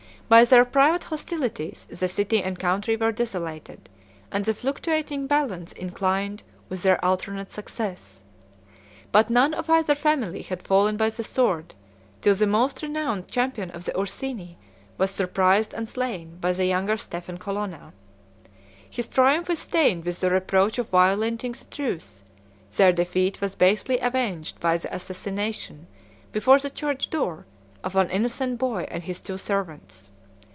By their private hostilities the city and country were desolated, and the fluctuating balance inclined with their alternate success. But none of either family had fallen by the sword, till the most renowned champion of the Ursini was surprised and slain by the younger Stephen Colonna. 108 His triumph is stained with the reproach of violating the truce; their defeat was basely avenged by the assassination, before the church door, of an innocent boy and his two servants.